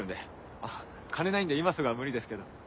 あっ金ないんで今すぐは無理ですけど。